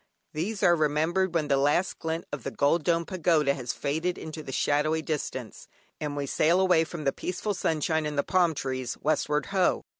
These are remembered when the last glint of the golden domed pagoda has faded into the shadowy distance, and we sail away from the peaceful sunshine and the palm trees, westward ho!